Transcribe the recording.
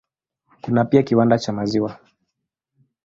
Kuna pia kiwanda cha maziwa.